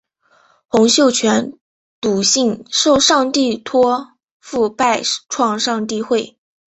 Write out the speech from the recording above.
洪秀全笃信受上帝托负创拜上帝会。